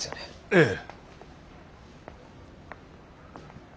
ええ。